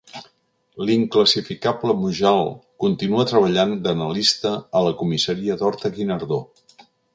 L'inclassificable Mujal continua treballant d'analista a la comissaria d'Horta-Guinardó.